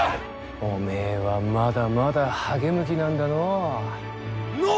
おめえはまだまだ励む気なんだのう。